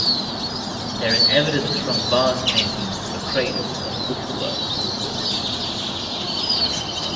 There is evidence from vase paintings for cradles of wickerwork or wood.